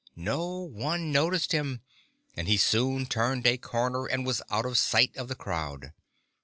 No one noticed him, and he soon turned a corner, and was out of sight of the crowd.